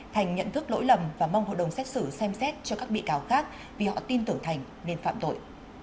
thành nhận thức lỗi lầm và mong hội đồng xét xử xem xét cho các bị cáo khác vì họ tin tưởng thành nên phạm tội